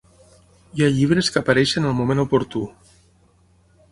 Hi ha llibres que apareixen al moment oportú.